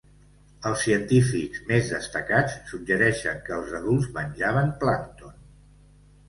Els científics més destacats suggereixen que els adults menjaven plàncton.